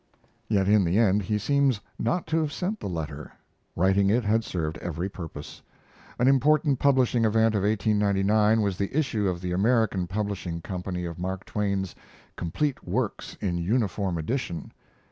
Yet, in the end, he seems not to have sent the letter. Writing it had served every purpose. An important publishing event of 1899 was the issue by the American Publishing Company of Mark Twain's "Complete Works in Uniform Edition."